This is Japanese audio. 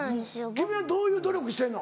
君はどういう努力してんの？